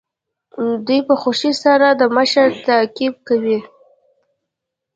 دوی په خوښۍ سره د مشر تعقیب کوي.